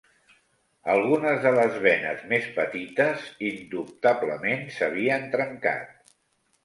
Algunes de les venes més petites indubtablement s'havien trencat.